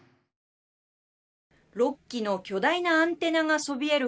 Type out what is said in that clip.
６基の巨大なアンテナがそびえる